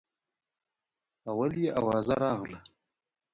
اول یې اوازه راغله.